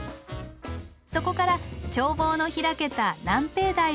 そこから眺望の開けた南平台を目指します。